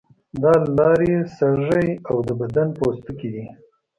دا لارې سږی او د بدن پوستکی دي.